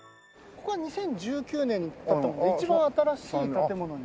ここは２０１９年に建った一番新しい建物に。